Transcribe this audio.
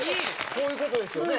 こういう事ですよね？